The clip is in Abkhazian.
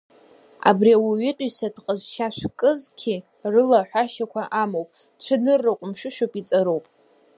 Абри ауаҩытәыҩсатә ҟазшьа шәкызқьы рыла аҳәашьақәа амоуп, цәанырра ҟәымшәышәуп, иҵаруп.